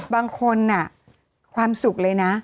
บางคนความสุขเลยนะ